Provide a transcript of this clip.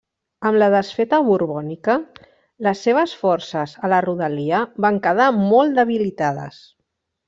Amb la desfeta borbònica, les seves forces a la rodalia van quedar molt debilitades.